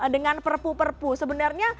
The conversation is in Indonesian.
dengan perpu perpu sebenarnya